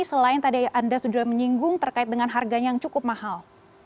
selain tadi anda sudah menyinggung terkait dengan harganya yang cukup mahal